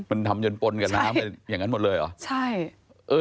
มันทำเย็นปนกันนะมันเป็นอย่างนั้นหมดเลยเหรอ